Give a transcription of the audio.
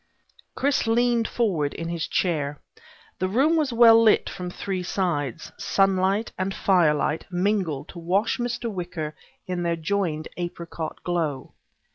Chris leaned forward in his chair. The room was well lit from three sides; sunlight and firelight mingled to wash Mr. Wicker in their joined apricot glow.